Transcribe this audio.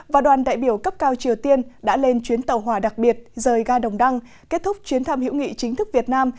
và đoàn đại biểu cấp cao triều tiên đã lên chuyến tàu hòa đặc biệt rời ga đồng đăng kết thúc chuyến thăm hữu nghị chính thức việt nam